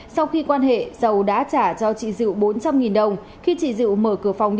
sau khi quan hệ giàu đã trả cho chị diệu bốn trăm linh đồng